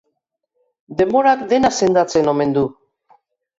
Denborak dena sendatzen omen du.